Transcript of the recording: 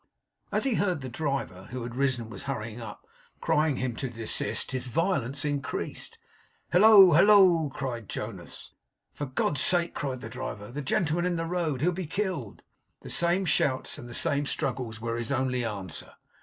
As he heard the driver, who had risen and was hurrying up, crying to him to desist, his violence increased. 'Hiilo! Hillo!' cried Jonas. 'For God's sake!' cried the driver. 'The gentleman in the road he'll be killed!' The same shouts and the same struggles were his only answer.